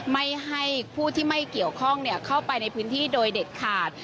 ไม่ให้ผู้ที่ไม่เกี่ยวข้องเข้าไปในพื้นที่โดยเด็ดขาด